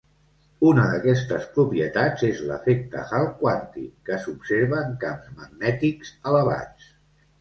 Una d'aquestes propietats és l'efecte Hall quàntic, que s'observa en camps magnètics elevats.